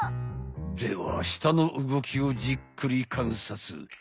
では舌の動きをじっくりかんさつ。